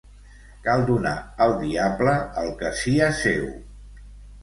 Cal donar al diable el que sia seu.